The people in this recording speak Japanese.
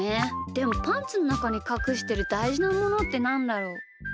でもパンツのなかにかくしてるだいじなものってなんだろう？